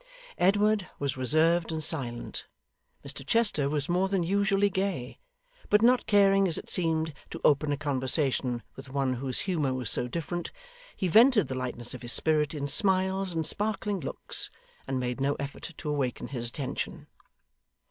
Edward was reserved and silent. Mr Chester was more than usually gay; but not caring, as it seemed, to open a conversation with one whose humour was so different, he vented the lightness of his spirit in smiles and sparkling looks, and made no effort to awaken his attention.